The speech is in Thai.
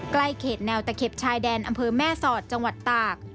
ใกล้เขตแนวตะเข็บชายแดนอำเภอแม่สอดจังหวัดตาก